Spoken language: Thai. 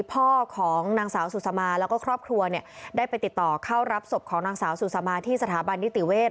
พ่อของนางสาวสุสมาแล้วก็ครอบครัวเนี่ยได้ไปติดต่อเข้ารับศพของนางสาวสุสามาที่สถาบันนิติเวศ